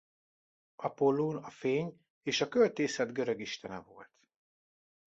Apollón a fény és a költészet görög istene volt.